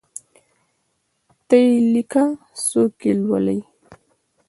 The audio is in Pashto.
ته یی لیکه څوک یي لولﺉ